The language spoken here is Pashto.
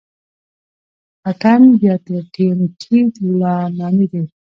پټن بيا تر ټي ان ټي لا نامي دي.